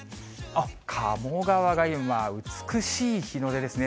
鴨川が今、美しい日の出ですね。